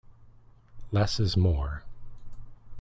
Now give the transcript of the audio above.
Less is more.